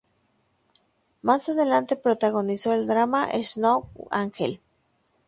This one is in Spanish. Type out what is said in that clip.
Más adelante, protagonizó el drama "Snow Angel.